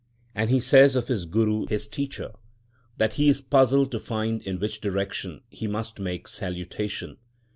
And he says of his Guru, his teacher, that he is puzzled to find in which direction he must make salutation.